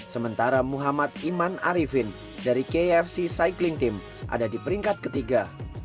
sementara muhammad iman arifin dari kfc cycling team ada di peringkat ketiga